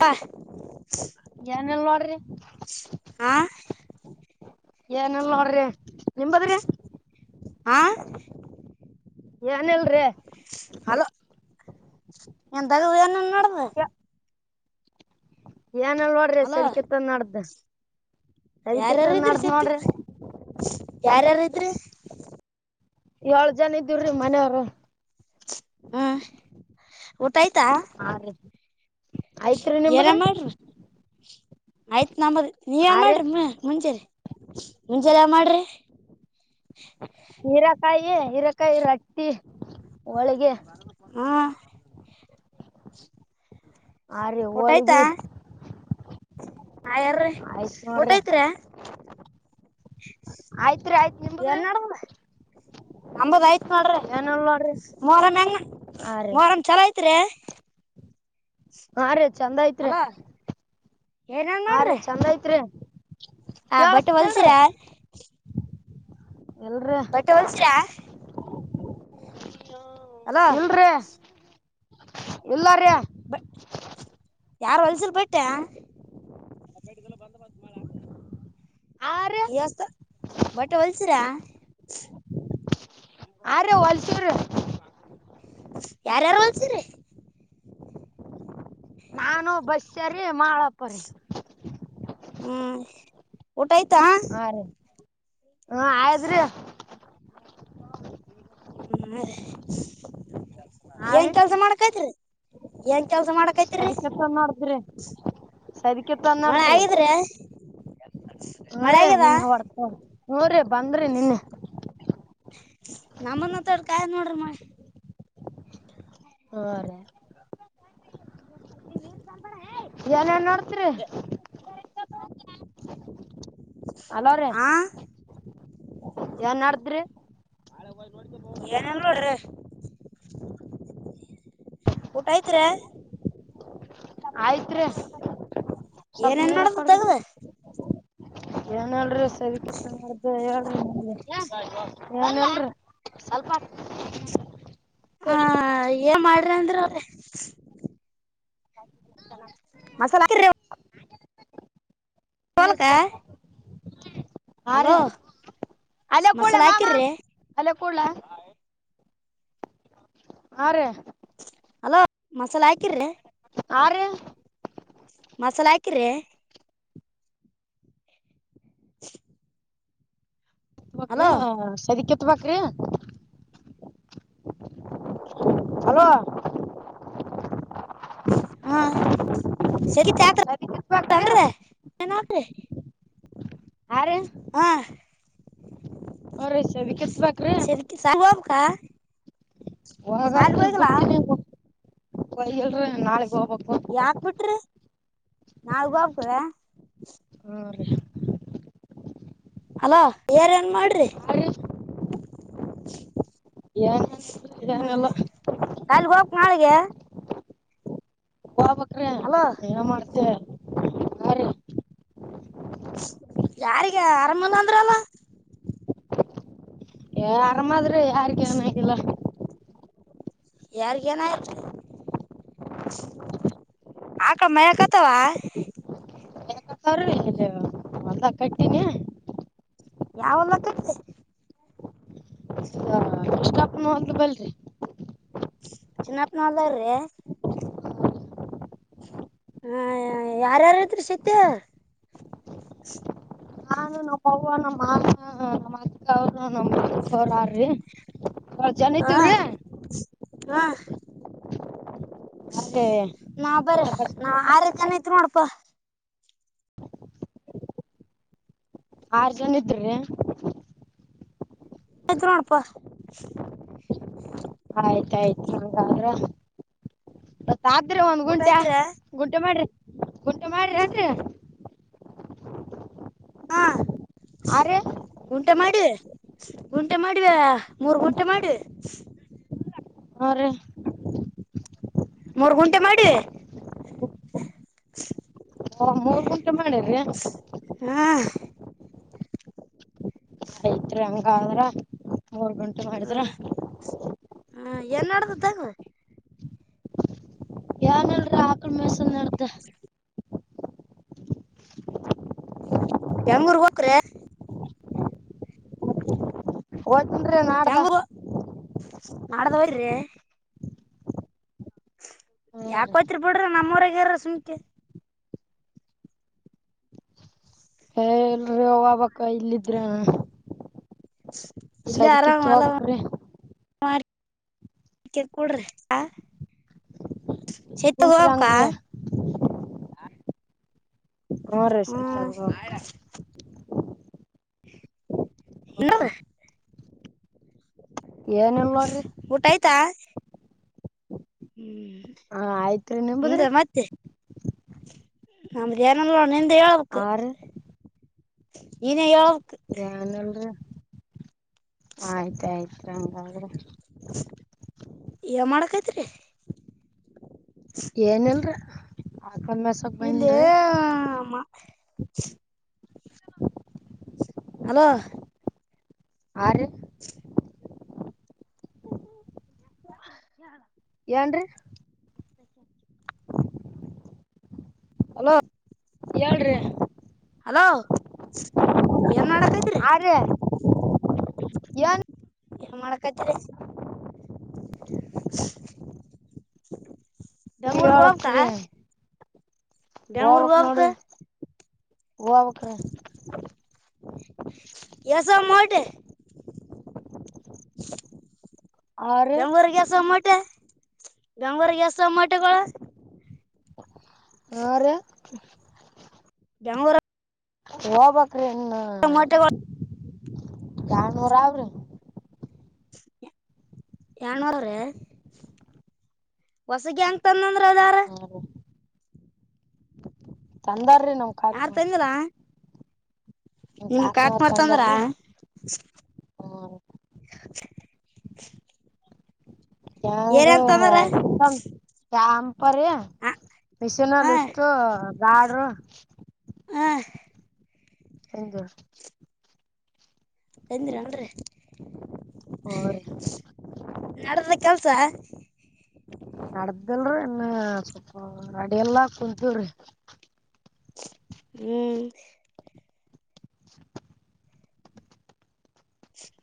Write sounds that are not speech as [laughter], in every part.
ಹ ಏನಿಲ್ ನೋಡ್ರಿ ಆಾ ಏನಲ್ ಅವರಿ ನಿಮ ಬದ್ರಿ ಹಂ ಏನಿಲ್ರೀ [unintelligible] ಏನಿಲ್ಲ ನೋಡ್ರಿ [unintelligible] ಯಾರಾರ ಸೆದಕಿತ್ತನ್ ಇದ್ರಿ ನಡ್ದ್ ಸಿಕ್ತೀ ನೋಡ್ರಿ ಯಾರ್ಯಾರ ಇದ್ರಿ ಏಳ್ ಜನ ಇದ್ದೀವ್ರಿ ಮನೆಯವರು ಹ್ಮ್ ಊಟಾಯತ ಆಯ್ತ್ರಿ ನಿಂಬುದ್ರ ಆಯ್ತ್ ನಮ್ಮತ್ ನೀವೇನ್ ಮಾಡ್ರಿ ಮುಂಚೆರಿ ಮುಂಜೆಲ್ಲಾ ಮಾಡ್ರಿ ಹೀರಕಾಯಿ ಹೀರಕಾಯಿ ರ ಟ್ಟಿ ಹೋಳಿಗೆ ಹ್ಮ ಆ ರೀ ಹೋಳಗಿ ಆ ಯಾರೀ ಊಟ ಐತ್ರಿ ಆಯ್ತು ಏನ್ಡುದ [unintelligible] ನಮ್ದ್ ಆಯ್ತು ನೋಡ್ರಿ ಏನಿಲ್ ನೋಡ್ರಿ ಮೋರಮ್ಮ ಹಾ ರೀ ಮೋರಮ್ಮ ಚಲೋ ಐತ್ರಿ [inaudible] ಹಾ ರೀ ಚಂದ ಐತ್ರಿ ಅಲೋ ಹಾ ರೀ ಚಂದ ಐತ್ರಿ ಹ ಬಟೆ ಹೊಲ್ಸಿರ ಕೇಳಸ್ತಿಲ್ರಿ ಇಲ್ರಿ ಬಟ್ಟೆ ಒಲಿಸಿರ ಹಲೋ ಇಲ್ಲಾರಿ ಯಾ ಹೊಲ್ಸಲ್ ಬಿಟ್ಟೆ ನ ಬೇಲ್ಲ ಬಂದ ಬಸ್ತ್ ಮಾಡಾರ ಆತ [unintelligible] ಈಸ್ಟ್ ಬಟ್ಟೆ ಹೊಲ್ಸರ ಆ ರಿ ಹೊಲ್ಸೂರ ಯಾರ್ಯಾರು ಹೊಲ್ಸಿರಿ ನಾನು ಬಸರಿ ಮಾಳಪ್ಪರಿ ಹ್ಮ್ ಊಟ ಆಯ್ತಾ ಹಾ ರೀ ಹಾ [inaudible] ಆಯ್ತ್ರಿ [inaudible] ಹ್ಮ ಏನ್ ಕೆಲ್ಸ ಮಾಡಕೈತ್ರಿ ಏನ್ ಕೆಲ್ಸ ಮಾಡಕೈತ್ರಿ ಅದೆ ಕೆಲಸ ನೋಡಿದ್ರಿ ಸೈದಕ್ಕೆತ್ತು ಮಳೆ ಅನ್ನಾಡದ್ರಿ ಆಗಿದ್ರಿ [unintelligible] ಹೂ ಮಳೆ ರೇ ಆಗ್ಯದ ನಿನ್ನೆ ಹೊಡ್ತ ಹೂ ರೇ ಬಂದ್ರಿ ನಿನ್ನೆ ನಮ್ಮನ್ತ್ತಡ್ ಕಾಯಿ ನೋಡ್ರಿ ಮಿ [unintelligible] ಹ್ಞೂ ರೀ ಇ ಸಮ [inaudible] ಏನ್ ಏನ್ ನೋಡ್ತರಿ [inaudible] ಹಲೋ ರೀ ಆ ಏನ್ ಮಾಡಡದ್ರಿ ನಾಳೆ ಹೋಗಿ ನೋಡ್ಕೊಂಡು ಬಾವುಗು ಏನೇನ್ ನೋಡ್ರಿ ಊಟ ಆಯ್ತಾ ರಿ ಆಯ್ತ್ ರೀ ಸ್ವಪ್ ಏನೇನ್ ನೀವ ಮಾಡದ ರಕ್ಕಡ್ಗೆ ತಗದ ಏನ್ ಹೇಳಿ ಸರಿಕತ್ರ ಮಾಡಡ್ದ ಹೇಳ್ರಿ [unintelligible] ಏನಿಲ್ರೀ ನನ್ ಸ್ವಲ್ಪ ಹಾ ಏನ್ ಮಾಡ್ರಿ ಅಂದ್ರ ಹ [inaudible] ಮಸಾಲೆ [unintelligible] ತಿನ್ನುಸ್ ಬೇಕಾ ಹ ರೀ ಹಲೋ ಅಲ್ಲ ಕೂಲ ಮಸಾಲ ಮಾಮ ಹಾಕಿರ್ರಿ ಅಲ್ಲ ಕೂಡ್ಲ ಹಾ ರೇ ಹಲೋ ಮಸಾಲ ಆಯಕಿ್ರೆ ಆರು ಮಸಾಲ ಆಕಿ್ರ [unintelligible] ತ ಬಾಕ್ರಿ ಹಲೋ ಹ ಸದಕ್ಕೆ ತಬಾಕ್ರಿ ಹಲೋ ಸದಿ ಕಿತ್ಬೇಕ್ರಿ [unintelligible] ಯಾರ ಹಾ ಕಿತ್ಬೇಕ್ರಿ [unintelligible] ಹಾಗಷ್ಟ ಸಾಲಿಗ್ ಹೋಗಿಲ್ಲ ಬಿಟ್ಟ ಎಲ್ರರಿ ನಾಳಗ್ ಹೋಗ್ಬೇಕು ನಾಳೆ ಹೋಗ್ತಿವಿ ಹ್ಞೂ ರೀ ಅಲೋ ಏರ್ ನ್ ಮಾಡ್ರಿ ಹಾ ರೀ ಏನಿಲ್ಲ ಹ್ಮ ಏನಿಲ್ಲ ಕಲ್ಲಿಗ್ ಹೋಗಕ್ ನಾಳಿಗೆ ಹಬಕ್ರ ಮತ್ತ ಅಲೋ ಏನ ಮಾಡ್ತ ರೀ ಯಾರಿಗೆ ಆರಾಮಂದ ಅಂದರಲ್ಲ ಆರಾಮಾದ್ರೆ ಯಾರ್ಗ ಏನಾಗಿಿಲ್ಲ ಯಾರಿಗೆನೀ ಆಕಳ ಮಯ ಕತವಾ ಮದ ಕಟ್ಟನ ಯಾವಲ್ಲ ಎಷ್ಟ ಅ ಬಲ್ರಿ ಚಿನ್ನಪ್ಪನದಾರ್ರೀ ಹಾ ಯಾರಾರತ್ರ್ರೀ ಸೀತ್ಯ ಹ ಅ ಹ ಹೊರ್ರೀ ಜನ್ತಿವ್ರೀ ಹಾ ಹಾ ರೀ ನಾ ಬರ ನಾ ಆರತ ಎತ್ರಣಪ ಆರ್ ಜನ ಇದ್ರೀ ಹದ್ರಣಪ್ಪ ಆಯ್ತಾಯ್ತು ಹಂಗ್ರ ್ರೆ ಒಂದ್ ಊಟ ಗುಂಟೆ ಐತ್ರ ಗುಂಟೆ ಮಾಡ್ರಿ ಗುಂಟೆ ಮಾಡ್ರಿ ಆದ್ರೆ ಹಾ ಹಾ ರೀ ಊಂಟ ಮಾಡಿ ಗುಂಟೆ ಮಾಡಿವ ಮೂರ್ ಗುಂಟೆ ಮಾಡಿವ ಹ್ರ ಮೂರ್ ಗುಂಟೆ ಮಾಡ ಮೂರ್ ಗುಂಟೆ ಮಾಡಿರ್ರಿ ಹಾ ಐತ್ರಿ ಹಂಗ್ರ ಮೂರ್ ಗುಂಟೆ ಮಾಡಿದ್ರ ಹಾ ಏನ್ ಮಾಡಡ್ದದ್ದಾಗು ಆಾಕ್ರಮಸ ನತೆ ಬೆಂಗಂಗೂರ್ ವಕ್ರ ಹೋಗ್ತೀನ್ರಿ ನಾಡ್ದ ತಂಗೂರು ನಾಡದ ವರೀ ಹ್ಞೂ ರೀ ಯಾಕೋತ್ರಿ ಬಿಡ್ರ ನಮ್ಮವ್ರಗರ ಸುಂಖಿ ಎಲ್ರಿೀ ಹಬಕ್ ಇಲ್ಲಿದ್ರ ಇಲ್ಲ ಆರಾಮ ಸದಕಿತ್ ಅಲ ಹೋಗ್ಬೇಕ್ರಿ ನ ಚಕೂಡ ಸತ ಕುಂತ್ರಿ ಗಲಬ ಕಾ ಹಂಗ್ರಿ ಹ್ಞೂ ರೀ ಸತ್ಯ ಹ್ಮ್ ಹೋಗ್ಬೇಕ್ರಿ ಹ್ಞೂ ಇ ಏನಲ್ ನೋಡ್ರಿ ಊಟ ಆಯ್ತಾ ಹ್ಮ್ ಹಾ ಆಯ್ತ್ರಿ ನಿಂಬುದ್ರಿ ನಂಬರಿ ಯಾರಣ ನೀಂತ ಯಳವಕ ಆರ ನೇ ಹೇಳಕ್ ಏನಲ್ರ ಆಯ್ತಾಯ್ತು ಹಂಗಾದ್ರೆ ಎ ಮಾಡಳಕತರೆ ಏನಲ್ರ ಇಲ್ಲಿ ಹಲೋ ಆರಿ ಹ ಏನ್ರೀ ಹಲೋ ಏಳ ಹಲೋ ಏನ್ ಮಾಡಕೈತ್್ರಿ ಆರಿ ಏನ್ ಮಾಡಳಕ ಡಂಗರ ಗೋಪ ಕ ಹೇಳ್ಬೇಕ್ರಿ ಬೆಂಗಳೂರು ಹೋಗ್ಬಕ್ ಹೋಬ್ಕ ನೋಡ್ರಿ ಹೋಗ್ಬಕ್ರಿ ಎಸ ಮಾಡಟ್ [inaudible] ಆರಿ ಬೆಂಗರ್ ಗ್ಯಾಸ್ಮೋಟೆ ಬೆಂಗರ್ ಗ್ಯಾಸ್ ಸಮಮೋಟೆಗಳ ಆರು ಬೆಂಗಗಳೂರು ಹ ಬ ಟೊಮೊಟೊ ಜಾನವರಾವರೆ ಎಾಣವಳರೆ ಹೊಸಗ ಹಂಗ ತನ್ಂದ್ರ ಅದಾರ ಹಾ ರೀ ತಂದಾರ್ರಿ ನಮ್ ಕಾಕ್ನು ನಿಮ ಕಾಕ್ ಮಾಡ್ತಂದ್ರ ತಂದಾರ್ರಿ [inaudible] ಏನ್ ಯಂಗೋ ಅಂತಂದ್ರ ಚಂಪರಿ ಮಷನ್ ಹ ಲಿಫ್ಟ ಗಾಡ್ರು ಆಠ್ ತಂದಿವ್ರಿ ಬಂದಹ್ನರಿ ನಡಲ್ಲ ಕೆಲಸ ನಡ್ದಲ್ರರಿ ಇನ್ನು ಸ್ವಪ ನಡ ಎಲ್ಲಾ ಕುಂತೀವ್ರಿ ಹ್ಮ್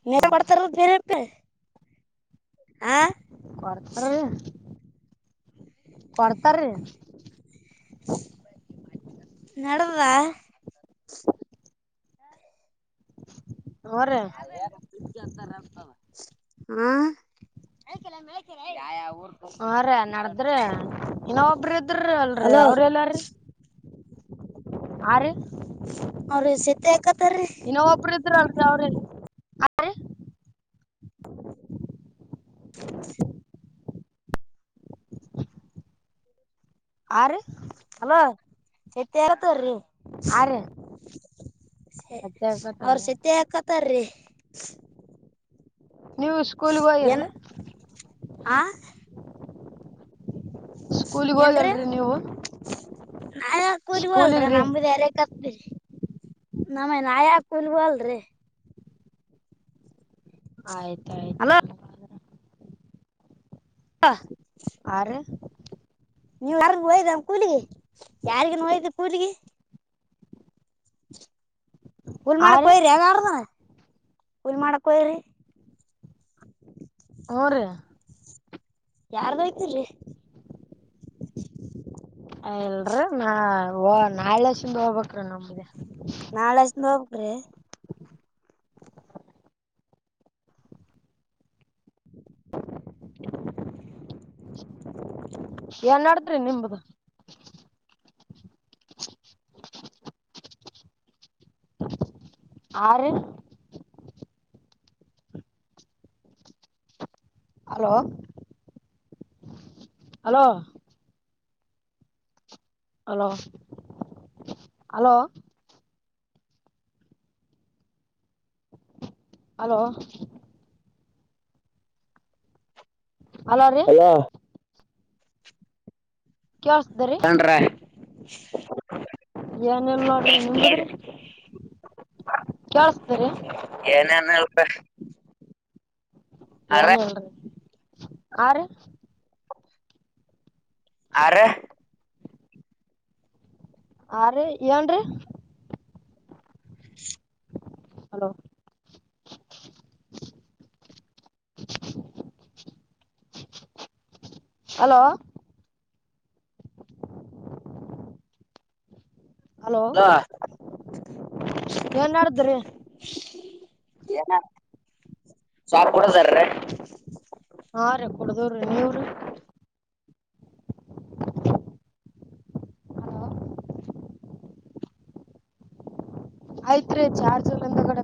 ನೆ ಮಾಡ್ತಾರದು ಬೇರೆಪೆ ಆ ಕೊಡ್ತಾರೀ ಕಡ್ಕಾರ ರ ನಡದಾ ಅವರ ಹ ಹಾ ರೀ ನಡದ್ರಿ ಇನ್ನ ಒಬ್ರ ಇದ್ರ ಅಲ್ರರಿ ಹಲೋ ಅವ್ರ ಎಲ್ಲಾರೀ ಆರು ಅವ ಸತತೆ ಇನ್ನ ಒಬ್ರು ಇದ್ರರು ಅಲ್ರಿ ಅವ್ರ [inaudible] ಆರು ಸತಿರ ತರಿ ಆ ರೀ ಅವ ಸತ್ಯಕತಾರೀ ಸಿತ ಕತಾರ ರ ನೀವು ಸ್ಕೂಲ್ಗ ಹೋಗಿರರಿ ಹ ಸ್ಕೂಲಿಗ್ ಹೋಗಲ್ರರಿ ನೀವು ನಾ ಕುಲಬಳರೀ ಸ್ಕೂಲಿಗ್ರಿ ನಮರ ಕರ್ತ್ರಿ ನಮೇನ್ ಯಾ ಕುಲ್ವ ಅಲ್ರಿ ಆಯ್ತು ಅಲೋ ಹಾ ಆ ನೀವರ್ಗ ಹೋಯ್ದ ಕೂಲಿಗೆ ಯಾರಿಗೋಯ್ದ ಕೂಲಿಗೆ ಗುಲ್ಮಡ ಆ ರೀ ಕಯ ರಗಾರ ಕುಲ್ ಮಾಡಡಕ ರರಿ ಹಊರ ಯಾರ್ದುಯ್ತಿಲ್ ನಾಳೆ ಸುಮ ಹೋಗಬೇಕರು ನಮ್ದಗೆ ನಾಳೆ ಹಷ್ಟ ಹೋಗಬೇಕ್ರಿ [unintelligible] ಏನ್ ಮಾಡಡತ್ರಿ ನಿಮ್ದ ಆರು hello hello hello hello hello hello ರಿ [unintelligible] ಕಸ್ದರೆ [unintelligible] ಏನ್ ಎಲ್ ನೋಡ್ರಿ ನಿಮಗದ್ರಿ ಕೇಳಸತಾರೆ ಹ ಏನ್ ಹೇಳರಿ ಆರೀ ಆ ಆರೀ ಏನ್ ರೀ [unintelligible] ಹಲೋ ಹಲೋ ಹಲೋ ಹ ಏನ್ ಮಾಡಡ್ದ್ರಿ ಏನ ಸಾರು ಕೂಡದರ್ರೆ ಹಾ ರೀ ಕುಡದವ್ರೀ ನೀವ್ರೀ ಆಯ್ತ್ ರೀ ಚಾರ್ಜ್ಲ್ಒಂದುಗಡೆ